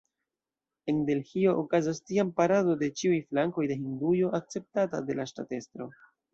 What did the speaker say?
En Delhio okazas tiam parado de ĉiuj flankoj de Hindujo, akceptata de la ŝtatestro.